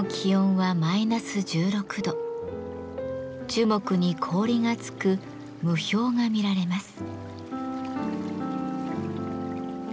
樹木に氷がつく霧氷が見られます。